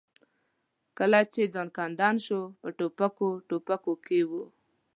کله چې ځنکدن شو په ترپکو ترپکو کې و.